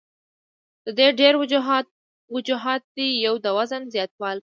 د دې ډېر وجوهات دي يو د وزن زياتوالے ،